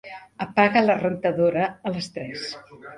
Apaga la rentadora a les tres.